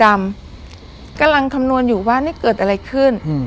กำลังคำนวณอยู่ว่านี่เกิดอะไรขึ้นอืม